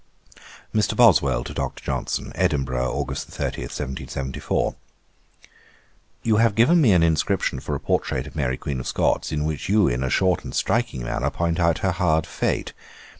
'MR. BOSWELL TO DR. JOHNSON. 'Edinburgh, Aug. 30, 1774. 'You have given me an inscription for a portrait of Mary Queen of Scots, in which you, in a short and striking manner, point out her hard fate.